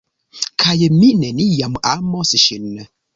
kaj mi neniam amos ŝin!